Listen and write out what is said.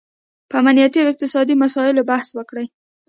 په امنیتي او اقتصادي مساییلو بحث وکړي